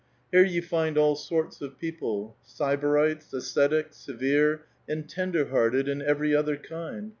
Here you find all sorts of people, — sybarites, ascetic, severe, and tender hearted, and every other kind.